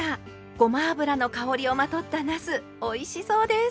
ごま油の香りをまとったなすおいしそうです！